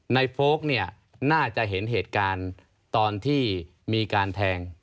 โฟลกเนี่ยน่าจะเห็นเหตุการณ์ตอนที่มีการแทง